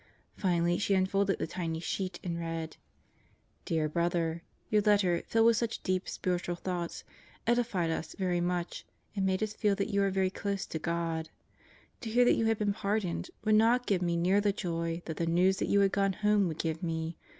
Finally she unfolded the tiny sheet and read: Dear Brother: Your letter, filled with such deep, spiritual thoughts, edified us very much and made us feel that you are very close to God. To hear that you had been pardoned would not give me near the joy that the news that you had gone Home would give me.